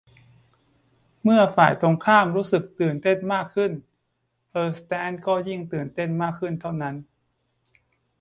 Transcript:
เมื่อฝ่ายตรงข้ามรู้สึกตื่นเต้นมากขึ้น เออร์เนสต์ก็ยิ่งตื่นเต้นมากขึ้นเท่านั้น